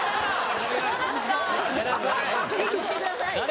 ・やめなさい